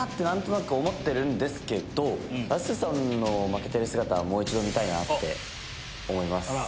何となく思ってるんですけどまっすーさんの負けてる姿もう一度見たいなって思います。